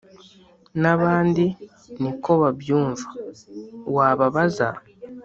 n’abandi niko babyumva wababaza.